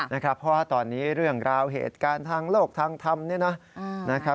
เพราะว่าตอนนี้เรื่องราวเหตุการณ์ทางโลกทางธรรม